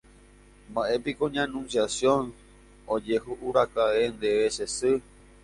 Mba'épiko ña Anunciación ojehúraka'e ndéve che sy.